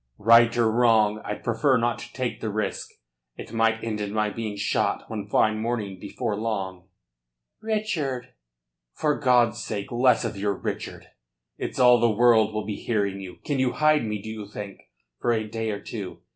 "Right or wrong, I'd prefer not to take the risk. It might end in my being shot one fine morning before long." "Richard!" "For God's sake, less of your Richard! It's all the world will be hearing you. Can you hide me, do you think, for a day or two?